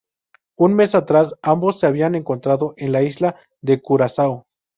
Un mes atrás, ambos se habían encontrado en la isla de Curazao.